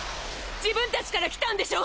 自分達から来たんでしょ！